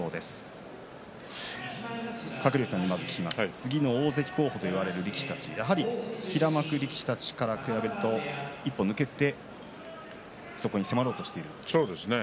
次の大関候補といわれる力士たち平幕力士たちに比べると一歩抜けて迫ろうとしていますか。